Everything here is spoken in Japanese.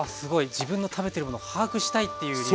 自分の食べてるもの把握したいっていう理由で。